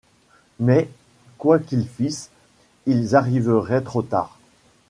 Mais, quoi qu’ils fissent, ils arriveraient trop tard.